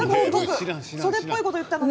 それっぽいこと言ったのに。